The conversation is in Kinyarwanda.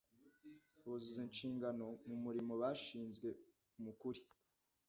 buzuza inshingano mu murimo bashinzwe mu kuri